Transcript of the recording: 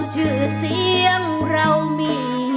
สู้ไว้